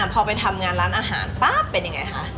พอไปทำงานร้านอาหารปั๊บเป็นยังไงคะ